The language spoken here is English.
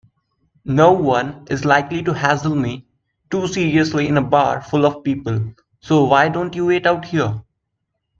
Noone is likely to hassle me too seriously in a bar full of people, so why don't you wait out here?